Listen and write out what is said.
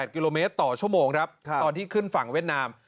กิโลเมตรต่อชั่วโมงครับตอนที่ขึ้นฝั่งเวียดนาม